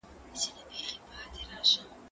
زه اوس کتابونه وړم،